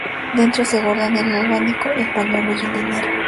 Dentro se guardan el abanico, el pañuelo y el dinero.